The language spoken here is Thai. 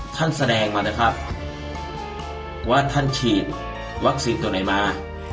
แสดงมานะครับว่าท่านฉีดวัคซีนตัวไหนมา